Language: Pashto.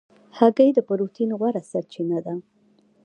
هګۍ د پروټین غوره سرچینه ده.